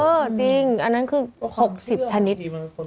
จริงอันนั้นคือ๖๐ชนิด